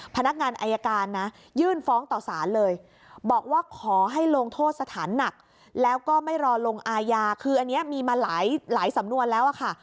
พนักงานอายการนะยื่นฟ้องต่อสารเลยบอกว่าขอให้ลงโทษสถานหนักแล้วก็ไม่รอลงอายาคืออันนี้มีมาหลายสำนวนแล้วค่ะ